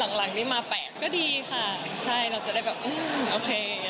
แล้วหลังนี้มาแปลกก็ดีค่ะเราจะได้แบบอืมโอเค